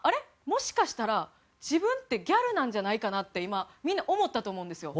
もしかしたら自分ってギャルなんじゃないかなって今みんな思ったと思うんですよ。